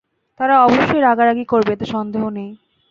তারা অবশ্যই রাগারাগী করবে এতে সন্দেহ নেই।